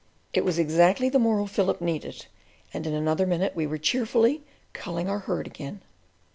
It was exactly the moral fillip needed, and in another minute we were cheerfully "culling our herd" again.